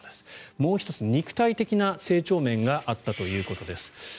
もう１つ、肉体的な成長面があったということです。